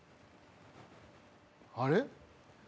あれ？